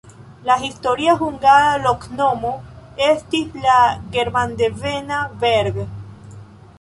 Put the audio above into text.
La historia hungara loknomo estis la germandevena Berg.